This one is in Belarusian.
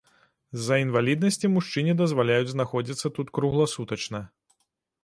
З-за інваліднасці мужчыне дазваляюць знаходзіцца тут кругласутачна.